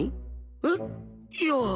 えっ？いや。